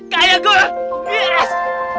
kaya gua yes